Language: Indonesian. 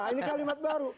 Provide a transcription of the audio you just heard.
ini kalimat baru